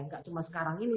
tidak cuma sekarang ini